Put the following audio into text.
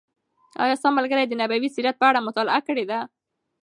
آیا ستا ملګري د نبوي سیرت په اړه مطالعه کړې ده؟